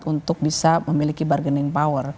untuk bisa memiliki bargaining power